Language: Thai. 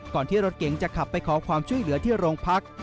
ที่รถเก๋งจะขับไปขอความช่วยเหลือที่โรงพัก